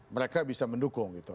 mereka bisa mendukung gitu